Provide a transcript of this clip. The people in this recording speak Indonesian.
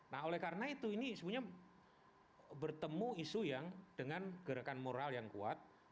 nah oleh karena itu ini sebenarnya bertemu isu yang dengan gerakan moral yang kuat